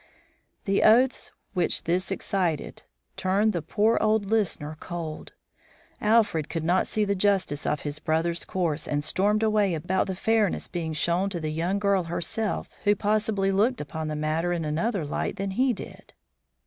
The oaths which this excited turned the poor old listener cold. Alfred could not see the justice of his brother's course, and stormed away about fairness being shown to the young girl herself, who possibly looked upon the matter in another light than he did.